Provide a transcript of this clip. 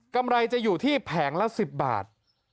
ไรจะอยู่ที่แผงละ๑๐บาท